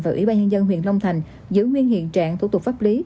và ủy ban nhân dân huyện long thành giữ nguyên hiện trạng thủ tục pháp lý